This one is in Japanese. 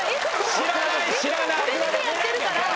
知らない知らない。